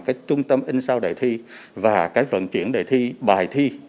cái trung tâm in sao để thi và cái vận chuyển đề thi bài thi